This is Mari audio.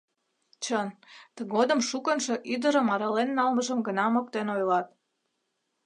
Чын, тыгодым шукынжо ӱдырым арален налмыжым гына моктен ойлат.